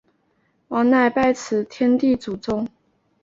王乃拜辞天地祖宗。